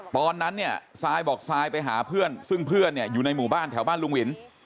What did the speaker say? ตอนนั้นเนี่ยซายบอกซายไปหาเพื่อนซึ่งเพื่อนเนี่ยอยู่ในหมู่บ้านแถวบ้านลุงหวิน